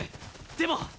でも。